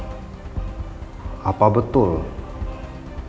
yang dikatakan andin dan al waktu di rumah aku